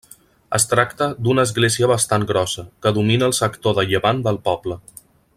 Es tracta d'una església bastant grossa, que domina el sector de llevant del poble.